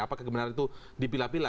apa kebenaran itu dipila pila